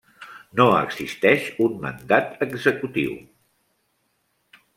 No existeix un mandat executiu.